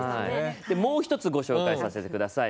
もう一つご紹介させてください。